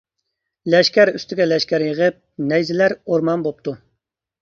لەشكەر ئۈستىگە لەشكەر يېغىپ، نەيزىلەر ئورمان بوپتۇ.